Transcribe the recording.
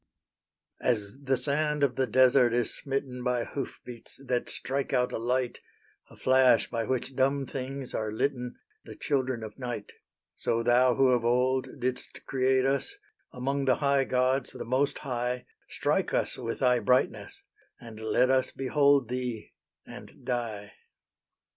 As the sand of the desert is smitten By hoof beats that strike out a light, A flash by which dumb things are litten, The children of night; So Thou who of old did'st create us, Among the high gods the Most High, Strike us with Thy brightness, and let us Behold Thee, and die.